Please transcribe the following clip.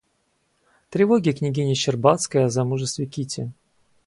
Тревоги княгини Щербацкой о замужестве Кити.